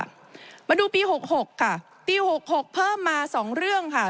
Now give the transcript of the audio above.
มาดูปี๖๖ค่ะปี๖๖เพิ่มมาสองเรื่องค่ะ